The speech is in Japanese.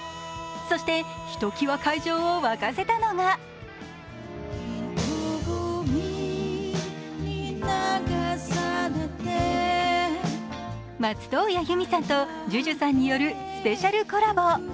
そして、ひときわ会場を沸かせたのが松任谷由実さんとＪＵＪＵさんによるスペシャルコラボ。